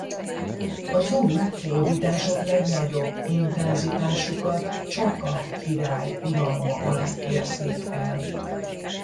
A zulu hódítások legnagyobb intenzitásukat Csaka király uralma alatt érték el.